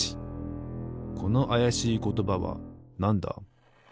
このあやしいことばはなんだ？